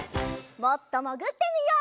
もっともぐってみよう。